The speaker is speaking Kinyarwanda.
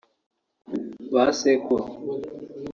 ba sekuru